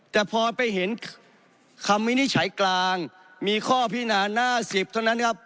แต่พอไปเห็นคำวินิจฉัยกลางมีข้อพินาหน้า๑๐เท่านั้นครับ